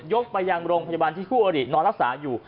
ไปยังโรงพยาบาลที่คู่อรินอนรักษาอยู่